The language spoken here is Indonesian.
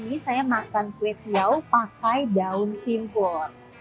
ini saya makan kue tiau pakai daun simpur